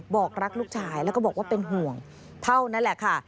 บอกรักลูกชายแล้วก็บอกว่าเป็นห่วงเท่านั้นแหละค่ะ